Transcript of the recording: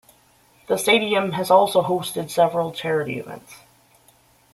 The stadium has also hosted several charity events.